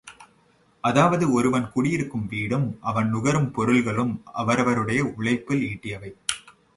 அதாவது ஒருவன் குடியிருக்கும் வீடும் அவன் நுகரும் பொருள்களும் அவரவருடைய உழைப்பில் ஈட்டியவை.